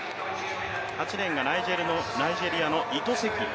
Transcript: ８レーンがナイジェリアのイトセキリ。